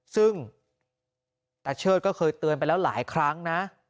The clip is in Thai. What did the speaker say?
ซึ่งตาเชิดก็เคยเตือนไปแล้วหลายครั้งนะ